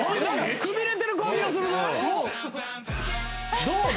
くびれてる感じがするぞどうだ？